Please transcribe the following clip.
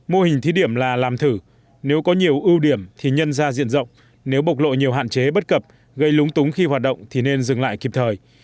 mô hình thí điểm là làm thử nếu có nhiều ưu điểm thì nhân ra diện rộng nếu bộc lộ nhiều hạn chế bất cập gây lúng túng khi hoạt động thì nên dừng lại kịp thời